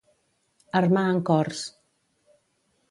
Armar en cors.